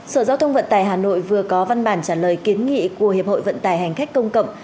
sở giao thông vận tải hà nội vừa có văn bản trả lời kiến nghị của hiệp hội vận tải hành khách công cộng